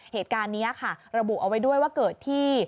เหตุการณ์นี้ค่ะระบุเอาไว้ด้วยว่าเกิดที่